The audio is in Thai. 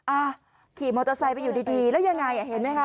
อ่ะขี่มอเตอร์ไซค์ไปอยู่ดีแล้วยังไงอ่ะเห็นไหมคะ